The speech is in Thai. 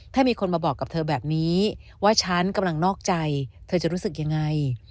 ถ้ามีคนมาบอกกับเธอแบบนี้ว่าฉันกำลังนอกใจเธอจะรู้สึกยังไง